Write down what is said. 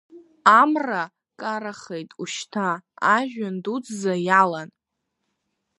Амра карахеит ушьҭа, ажәҩан дуӡӡа иалан…